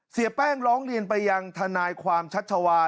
เสียแป้งร้องเรียนไปยังทนายความชัชวา